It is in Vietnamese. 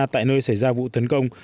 tại nơi xảy ra vụ tấn công